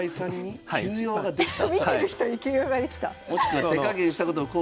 見てる人に急用ができた。